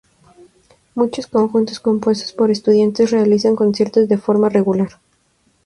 Muchos conjuntos compuestos por estudiantes realizan conciertos de forma regular.